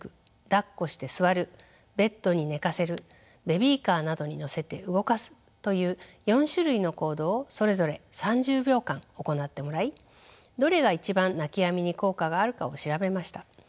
だっこして座るベッドに寝かせるベビーカーなどに乗せて動かすという４種類の行動をそれぞれ３０秒間行ってもらいどれが一番泣きやみに効果があるかを調べました。